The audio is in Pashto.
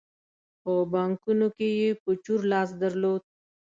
په بانکونو کې یې په چور لاس درلود.